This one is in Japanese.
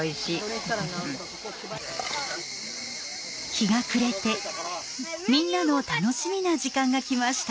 日が暮れてみんなの楽しみな時間がきました。